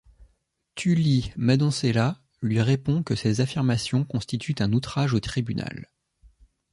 Thuli Madonsela lui répond que ces affirmations constituent un outrage au tribunal.